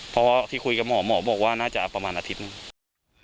เพราะว่าที่คุยกับหมอหมอบอกว่าน่าจะประมาณอาทิตย์หนึ่ง